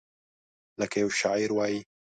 لکه یو شاعر وایي: